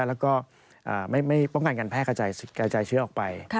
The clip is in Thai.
แล้วก็ไม่ป้องกันการแพร่กระจายเชื้อออกไป